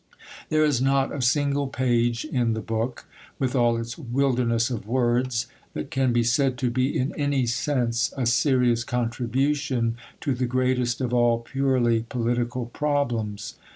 There is not a single page in the book, with all its wilderness of words, that can be said to be in any sense a serious contribution to the greatest of all purely political problems.